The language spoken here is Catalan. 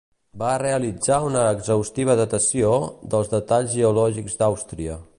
Va realitzar una exhaustiva datació, dels detalls geològics d'Àustria.